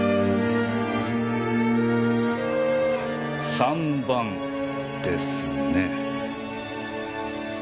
３番ですね？